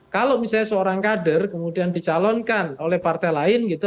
kalau misalnya seorang kader kemudian dicalonkan oleh partai lain gitu